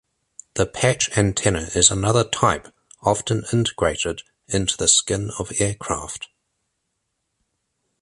The patch antenna is another type, often integrated into the skin of aircraft.